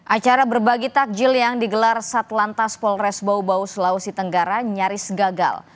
acara berbagi takjil yang digelar satlantas polres bau bau sulawesi tenggara nyaris gagal